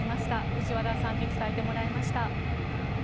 藤原さんに伝えてもらいました。